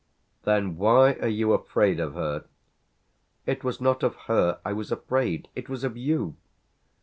"Then why are you afraid of her?" "It was not of her I was afraid. It was of you."